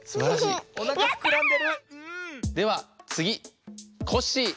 ではつぎコッシー。